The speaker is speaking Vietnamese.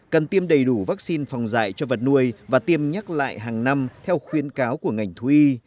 cần tiêm đầy đủ vaccine phòng dạy cho vật nuôi và tiêm nhắc lại hàng năm theo khuyến cáo của ngành thú y